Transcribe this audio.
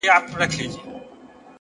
پر موږ همېش یاره صرف دا رحم جهان کړی دی’